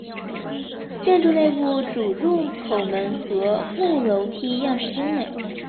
建筑内部主入口门和木楼梯样式精美。